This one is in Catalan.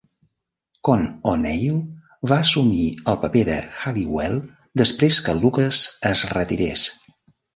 Con O'Neill va assumir el paper de Halliwell després que Lucas es retirés.